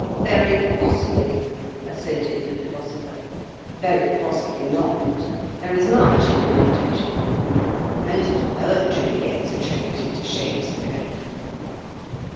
"Very possibly," assented the Philosopher; "very possibly not. There is much in reputation. Most poetry gets attributed to Shakespeare."